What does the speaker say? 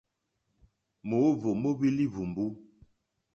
Mǒhwò móhwí líhwùmbú.